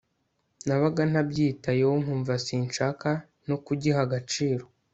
nabaga ntabyitayeho nkumva sinshaka no kugiha agaciro